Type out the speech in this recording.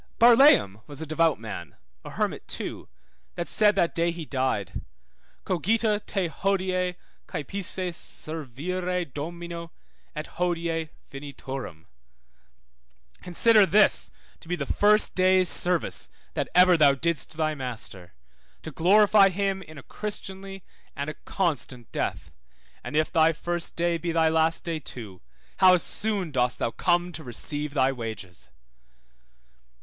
Barlaam was a devout man (a hermit too) that said that day he died, Cogita te hodie caepisse servire Domino, et hodie finiturum, Consider this to be the first day's service that ever thou didst thy Master, to glorify him in a Christianly and a constant death, and if thy first day be thy last day too, how soon dost thou come to receive thy wages!